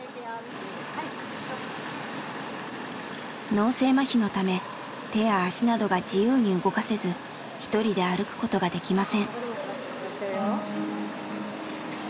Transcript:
脳性まひのため手や足などが自由に動かせず一人で歩くことができません。